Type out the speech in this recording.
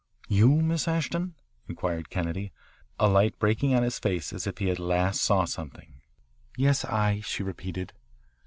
"You, Miss Ashton?" inquired Kennedy, a light breaking on his face as if at last he saw something. "Yes, I," she repeated.